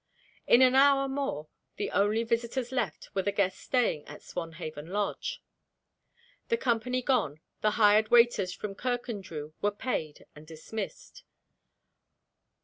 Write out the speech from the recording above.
In an hour more the only visitors left were the guests staying at Swanhaven Lodge. The company gone, the hired waiters from Kirkandrew were paid and dismissed.